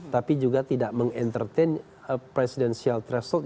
tapi juga tidak mengentertain presidential threshold